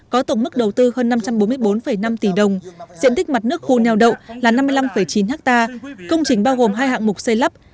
có tổng mức đầu tư hơn năm trăm bốn mươi bốn năm tỷ đồng diện tích mặt nước khu neo đậu là năm mươi năm chín ha công trình bao gồm hai hạng mục xây lắp